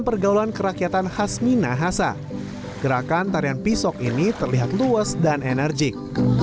pergaulan kerakyatan khas minahasa gerakan tarian pisok ini terlihat luas dan enerjik